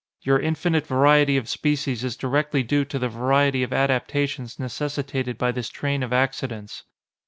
"Your infinite variety of species is directly due to the variety of adaptations necessitated by this train of accidents.